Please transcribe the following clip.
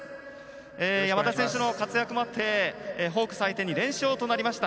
山田選手の活躍もあってホークス相手に連勝となりました。